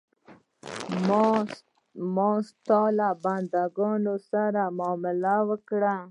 ما ستا له بندګانو سره معامله وکړه.